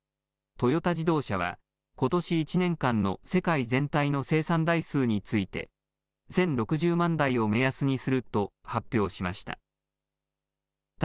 トヨタ自動車は、ことし１年間の世界全体の生産台数について、１０６０万台を目安にすると発表しました。